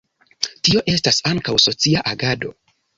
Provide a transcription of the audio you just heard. Tio estas ankaŭ socia agado.